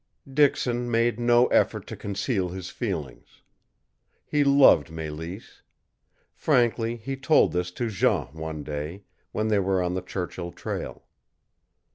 Dixon made no effort to conceal his feelings. He loved Mélisse. Frankly he told this to Jean one day, when they were on the Churchill trail.